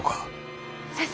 先生